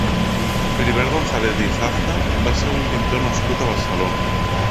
Filibert González i Zafra va ser un pintor nascut a Barcelona.